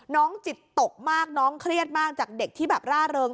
น้องจิตตกมากน้องเครียดมากจากเด็กที่แบบร่าเริง